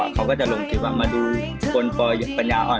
เขาก็จะลงคลิปมาดูคนปอยยปัญญาอ่อน